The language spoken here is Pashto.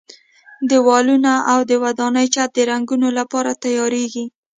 دېوالونه او د ودانۍ چت د رنګولو لپاره تیاریږي.